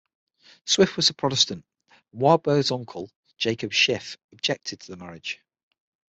Swift was a Protestant and Warburg's uncle, Jacob Schiff, objected to the marriage.